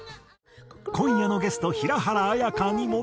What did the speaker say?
今夜のゲスト平原綾香にも。